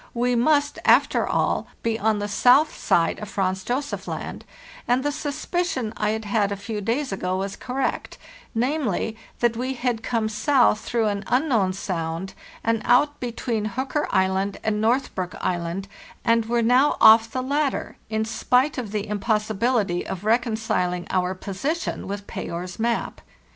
We must, after all, be on the south side of Franz Josef Land, and the suspicion I had had a few days ago was correct, namely, that we had come south through FRANZ JOSEF LAND an unknown sound and out between Hooker Island and Northbrook Island, and were now off the latter, in spite of the impossibility of reconciling our position with Payer's map.